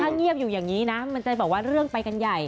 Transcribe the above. เงียบอยู่อย่างนี้นะมันจะบอกว่าเรื่องไปกันใหญ่